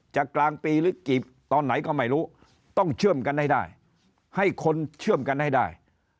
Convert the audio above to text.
กลางปีหรือกี่ตอนไหนก็ไม่รู้ต้องเชื่อมกันให้ได้ให้คนเชื่อมกันให้ได้